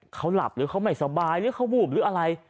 เขาหลับหรือเขาไม่สบายหรือเขาวูบหรืออะไร